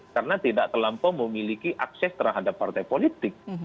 karena tidak terlampau memiliki akses terhadap partai politik